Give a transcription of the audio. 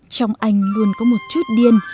trong anh luôn có một chút điên